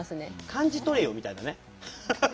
「感じ取れよ」みたいなね。